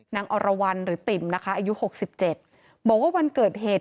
อรวรรณหรือติ่มนะคะอายุหกสิบเจ็ดบอกว่าวันเกิดเหตุ